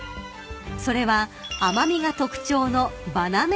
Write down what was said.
［それは甘味が特徴の］